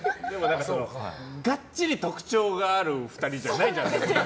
がっちり特徴がある２人じゃないじゃないですか。